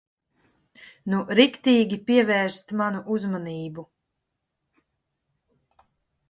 Nu riktīgi pievērst manu uzmanību.